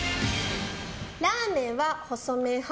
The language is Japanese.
ラーメンは細麺派？